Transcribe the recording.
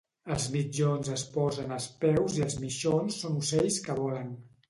Els mitjons es posen als peus i els mixons són ocells que volen